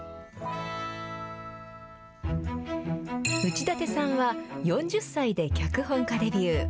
内館さんは、４０歳で脚本家デビュー。